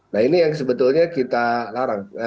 nah ini yang sebetulnya kita larang